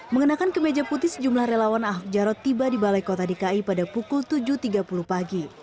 mengenakan kemeja putih sejumlah relawan ahok jarot tiba di balai kota dki pada pukul tujuh tiga puluh pagi